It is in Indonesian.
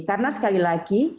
karena sekali lagi